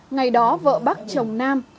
ngày đó vợ bác chồng nam